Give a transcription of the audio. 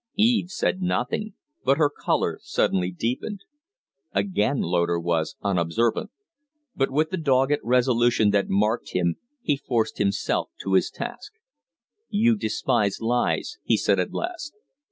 Eve said nothing but her color suddenly deepened. Again Loder was unobservant. But with the dogged resolution that marked him he forced himself to his task. "You despise lies," he said, at last.